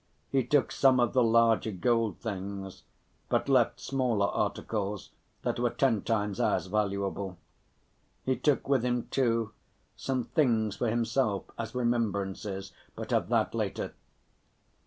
He took some of the larger gold things, but left smaller articles that were ten times as valuable. He took with him, too, some things for himself as remembrances, but of that later.